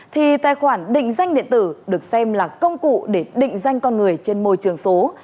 thì tài khoản định danh điện tử được xem là công cụ để định danh con người trên môi trường số